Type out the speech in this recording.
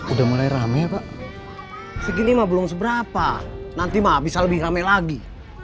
udah mulai rame pak segini mah belum seberapa nanti mah bisa lebih rame lagi